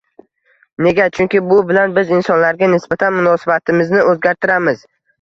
Nega? Chunki bu bilan biz insonlarga nisbatan munosabatimizni o‘zgartiramiz: